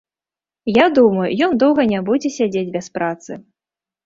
Я думаю, ён доўга не будзе сядзець без працы.